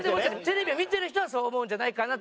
テレビを見てる人はそう思うんじゃないかなって。